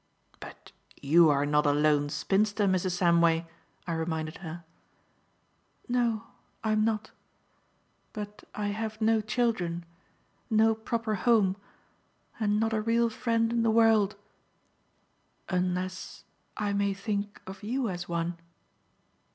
"But you are not a lone spinster, Mrs. Samway," I reminded her. "No, I am not. But I have no children, no proper home, and not a real friend in the world unless I may think of you as one."